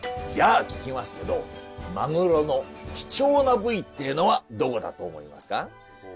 「じゃあ聞きますけどマグロの貴重な部位ってえのはどこだと思いますか？」。